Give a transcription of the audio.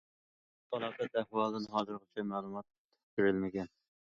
تالاپەت ئەھۋالىدىن ھازىرغىچە مەلۇمات بېرىلمىگەن.